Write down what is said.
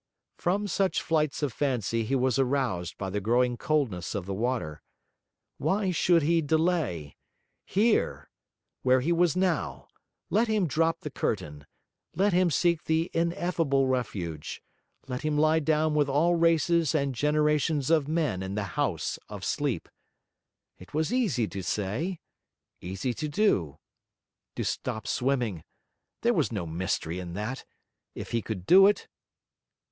From such flights of fancy, he was aroused by the growing coldness of the water. Why should he delay? Here, where he was now, let him drop the curtain, let him seek the ineffable refuge, let him lie down with all races and generations of men in the house of sleep. It was easy to say, easy to do. To stop swimming: there was no mystery in that, if he could do it.